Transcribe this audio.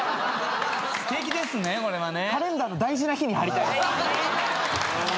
すてきですねこれはね。